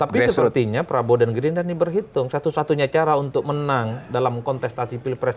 tapi sepertinya prabowo dan gerinra ini berhitung satu satunya cara untuk menang dalam kontestasi pilpres